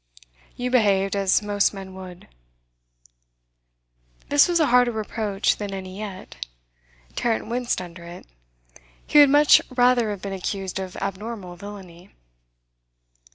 You behaved as most men would.' This was a harder reproach than any yet. Tarrant winced under it. He would much rather have been accused of abnormal villainy.